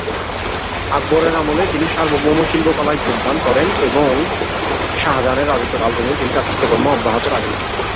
আকবরের আমলে তিনি সার্বভৌম শিল্পকলায় যোগদান করেন ও শাহজাহানের রাজত্বকাল পর্যন্ত তিনি তাঁর চিত্রকর্ম অব্যাহত রাখেন।